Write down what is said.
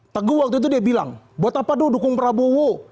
teguh waktu itu dia bilang buat apa dulu dukung prabowo